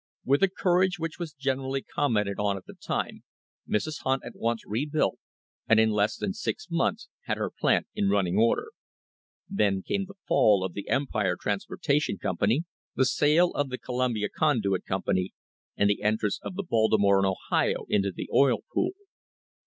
With a cour age which was generally commented on at the time Mrs. Hunt at once rebuilt and in less than six months had her plant in running order. Then came the fall of the Empire Transportation Company, the sale of the Columbia Conduit Company, and the entrance of the Baltimore and Ohio into the Oil Pool.